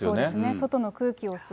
外の空気を吸う。